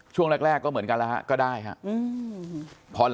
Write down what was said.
ช่วงแรกก็เหมือนกันแล้วฮะก็ได้ครับ